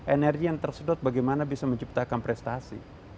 energi yang tersedot bagaimana bisa menciptakan prestasi